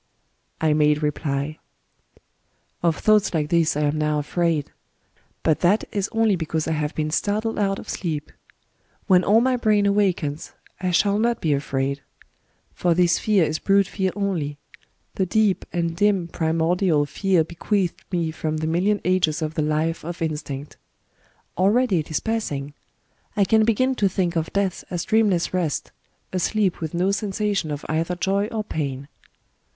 I made reply :—^^ Of thoughts like these I am now afraid. But that is only because I have been startled out of sJeep. When all my brain awakens, I shall not be afnud. . For this fear is brute fear only, — the deep and dim primordial fear bequeathed me from the million ages of the life of instinct. ... Already it is passing. I can begin to think of death as dream less rest, — a sleep with no sensation of either joy or pain."